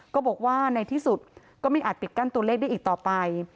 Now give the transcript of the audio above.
ก็บอกว่าในที่สุดก็ไม่อาจปิดกั้นตัวเลขได้อีกต่อไป